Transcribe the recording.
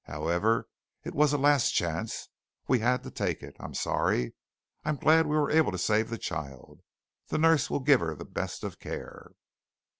However, it was a last chance. We had to take it. I'm sorry. I'm glad we were able to save the child. The nurse will give her the best of care."